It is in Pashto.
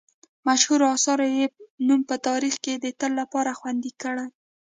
مشهورو اثارو یې نوم په تاریخ کې د تل لپاره خوندي کړی.